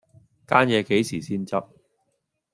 間野幾時先執